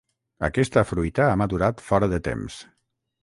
Aquesta fruita ha madurat fora de temps.